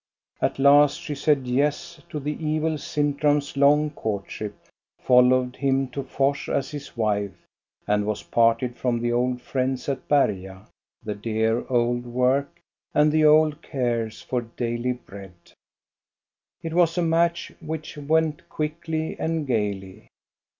At last she said " yes " to the evil Sintram's long courtship, followed him to Fors as his wife, and was parted from the old friends at Berga, the dear old work, and the old cares for daily bread. It was a match which went quickly and gayly.